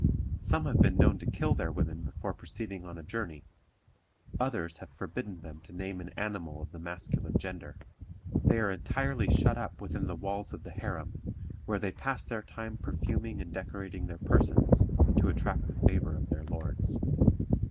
Some have been known to kill their women before proceeding on a journey; others have forbidden them to name an animal of the masculine gender. They are entirely shut up within the walls of the harem, where they pass their time perfuming and decorating their persons, to attract the favor of their lords.